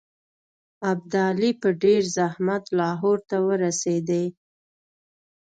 ابدالي په ډېر زحمت لاهور ته ورسېدی.